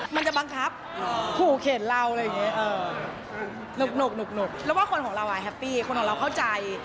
มันจะบังคับขู่เข็นเราอะไรอย่างนี้หนุกแล้วว่าคนของเราอ่ะแฮปปี้คนของเราเข้าใจ